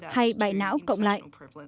hay bại não cộng lại